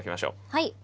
はい。